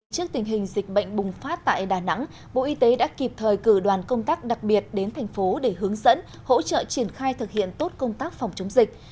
trước tình hình dịch bệnh bùng phát tại đà nẵng bộ y tế đã kịp thời cử đoàn công tác đặc biệt đến thành phố để hướng dẫn hỗ trợ triển khai thực hiện tốt công tác phòng chống dịch